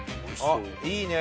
いいね。